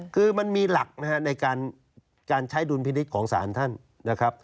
คือมันมีหลักนะฮะในการใช้ดุลพินิษฐ์ของศาลท่านนะครับ